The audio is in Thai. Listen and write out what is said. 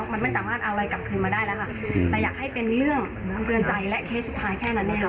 มันไม่สามารถเอาอะไรกลับคืนมาได้แล้วค่ะแต่อยากให้เป็นเรื่องเตือนใจและเคสสุดท้ายแค่นั้นนะคะ